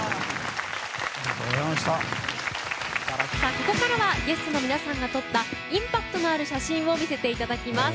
ここからはゲストの皆さんが撮ったインパクトのある写真を見せていただきます。